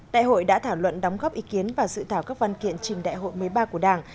đại hội đã thảo luận đóng góp ý kiến và dự thảo các văn kiện trình đại hội một mươi ba của đảng